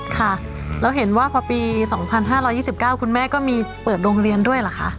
ค่ะแล้วเห็นว่าพอปี๒๕๒๙คุณแม่ก็มีเปิดโรงเรียนด้วยเหรอคะ